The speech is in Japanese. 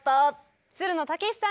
つるの剛士さんです。